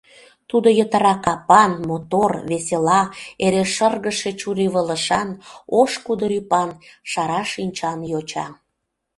Тудо йытыра капан, мотор, весела, эре шыргыжше чурийвылышан, ош-кудыр ӱпан, шара шинчан йоча.